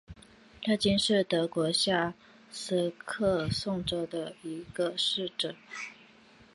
拉岑是德国下萨克森州的一个市镇。